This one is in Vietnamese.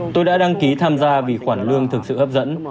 tôi đã đăng ký tham gia vì khoản lương thực sự hấp dẫn